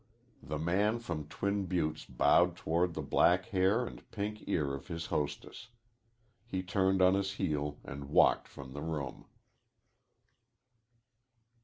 The man from Twin Buttes bowed toward the black hair and pink ear of his hostess. He turned on his heel and walked from the room.